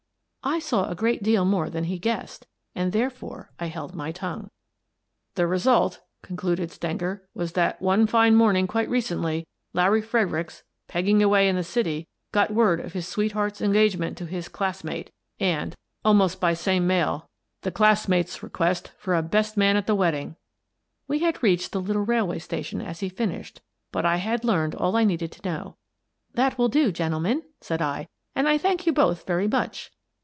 I saw a great deal more than he guessed, and, therefore, I held my tongue. " The result," concluded Stenger, " was that, one fine morning quite recently, Larry Fredericks, peg ging away in the city, got word of his sweetheart's engagement to his classmate and, almost by the 196 Miss Frances Baird, Detective same mail, the classmate's request for a best man at the wedding." We had reached the little railway station as he finished, but I had learned all I needed to know. " That will do, gentlemen," said I, " and I thank you both very much."